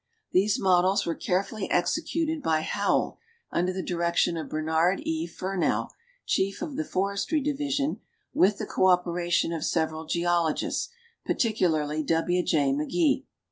These models were carefully executed by Howell, under the direction of Bern hard E. Fernow, Chief of the Forestry division, with the co operation of several geologists, particularly W J McGee.